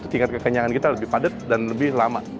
tingkat kekenyangan kita lebih padat dan lebih lama